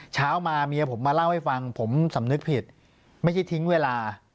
เช้ามาเมียผมมาเล่าให้ฟังผมสำนึกผิดไม่ใช่ทิ้งเวลา